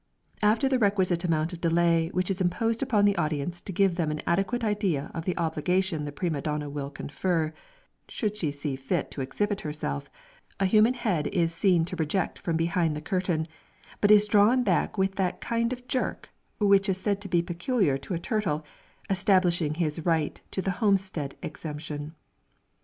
After the requisite amount of delay which is imposed upon the audience to give them an adequate idea of the obligation the prima donna will confer, should she see fit to exhibit herself, a human head is seen to project from behind the curtain, but is drawn back with that kind of jerk which is said to be peculiar to a turtle establishing his right to the homestead exemption.